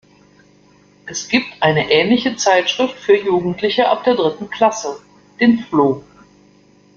Es gibt eine ähnliche Zeitschrift für Jugendliche ab der dritten Klasse, den "floh!